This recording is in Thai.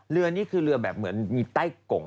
เรือนี่คือเรือแบบเหมือนตายกง